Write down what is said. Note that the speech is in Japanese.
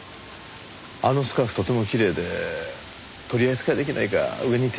あのスカーフとてもきれいで取り扱いできないか上に提案したくて。